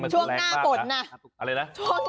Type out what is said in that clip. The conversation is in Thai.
อะไรนะ